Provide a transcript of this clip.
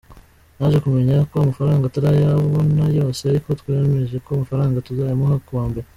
Naje kumenya ko amafaranga atarayabona yose ariko twemeje ko amafaranga tuzayamuha kuwa mbere.